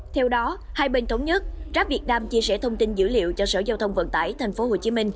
theo đó hai bên thống nhất grab việt nam chia sẻ thông tin dữ liệu cho sở giao thông vận tải tp hcm